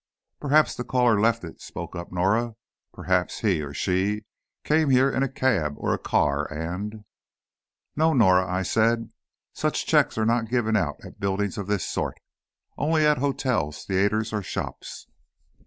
"Perhaps the caller left it," spoke up Norah; "perhaps he, or she, came here in a cab, or a car, and " "No, Norah," I said, "such checks are not given out at a building of this sort. Only at hotels, theaters, or shops."